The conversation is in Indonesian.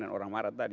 dan orang marah tadi